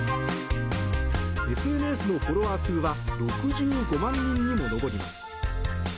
ＳＮＳのフォロワー数は６５万人にも上ります。